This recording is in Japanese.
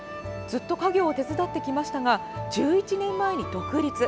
ずっと家業を手伝ってきましたが１１年前に独立。